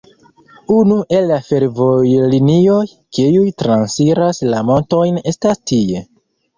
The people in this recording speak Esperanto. Unu el la fervojlinioj, kiuj transiras la montojn, estas tie.